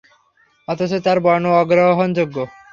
অথচ তার বর্ণনা অগ্রহণযোগ্য।